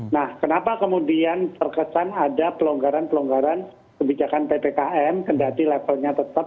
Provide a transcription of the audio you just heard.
nah kenapa kemudian terkesan ada pelonggaran pelonggaran kebijakan ppkm kendati levelnya tetap